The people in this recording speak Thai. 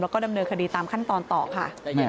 แล้วก็ดำเนินคดีตามขั้นตอนต่อค่ะ